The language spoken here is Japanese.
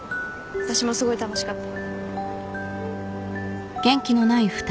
私もすごい楽しかった。